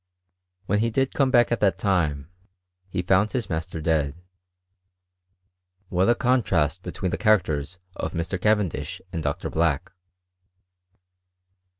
Wh^n he did come back at that time, he found his master dead. What a contrast between the characters of Mr. Cavendish and Dr. Black